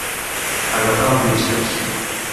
Agafar amb pinces.